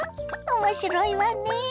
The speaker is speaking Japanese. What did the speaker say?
面白いわね。